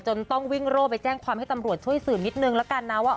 ต้องวิ่งโร่ไปแจ้งความให้ตำรวจช่วยสืบนิดนึงแล้วกันนะว่า